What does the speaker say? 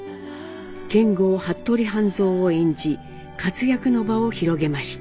剣豪・服部半蔵を演じ活躍の場を広げました。